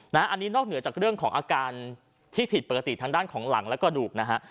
อันนี้นอกเหนือจากเรื่องของอาการที่ผิดปกติทางด้านของหลังและกระดูกนะฮะ